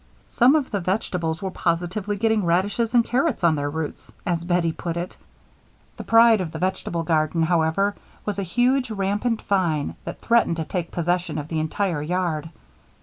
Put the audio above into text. Some of the vegetables were positively getting radishes and carrots on their roots, as Bettie put it. The pride of the vegetable garden, however, was a huge, rampant vine that threatened to take possession of the entire yard.